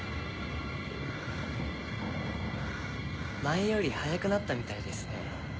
前より速くなったみたいですね。